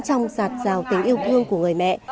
trong sạt rào tính yêu thương của người mẹ